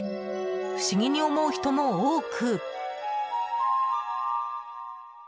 不思議に思う人も多く。